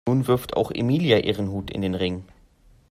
Nun wirft auch Emilia ihren Hut in den Ring.